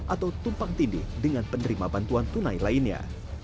atau tumpang tindih dengan penerima bantuan tunai lainnya